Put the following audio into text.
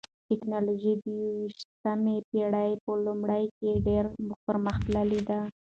ټکنالوژي د یوویشتمې پېړۍ په لومړیو کې ډېره پرمختللې ده.